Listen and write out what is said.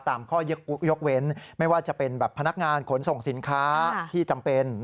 ข้อยกเว้นไม่ว่าจะเป็นแบบพนักงานขนส่งสินค้าที่จำเป็น